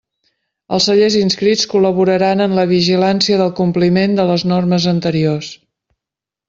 Els cellers inscrits col·laboraran en la vigilància del compliment de les normes anteriors.